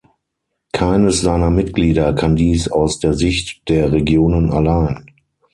Keines seiner Mitglieder kann dies aus der Sicht der Regionen allein.